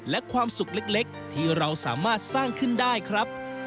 และความสุขเล็กที่เราสามารถสร้างขึ้นได้ครับ